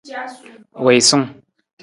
Wiisung.